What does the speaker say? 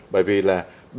bởi vì là